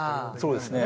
そうですね。